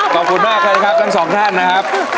ขอบคุณมากนะครับทั้งสองท่านนะครับ